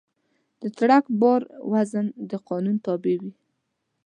د ټرک بار وزن د قانون تابع وي.